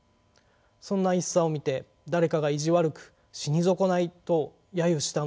そんな一茶を見て誰かが意地悪く「死に損ない」とやゆしたのでしょう。